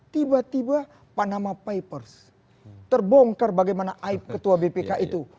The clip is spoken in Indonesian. tiba tiba panama papers terbongkar bagaimana aib ketua bpk itu